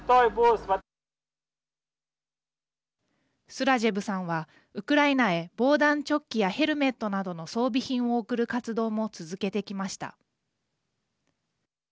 スラジェブさんはウクライナへ防弾チョッキやヘルメットなどの装備品を送る活動も続けてきました。